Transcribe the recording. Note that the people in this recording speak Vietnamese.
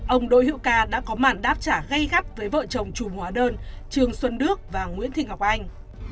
ông đội hữu ca đã có mản đáp trả gây gắt với vợ chồng chủ hóa đơn trường xuân đức và nguyễn thị ngọc anh